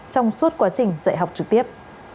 trong suốt quá trình dạy học trực tiếp